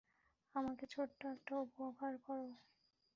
আমাকে ছোট্ট একটা উপকার করো।